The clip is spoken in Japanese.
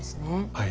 はい。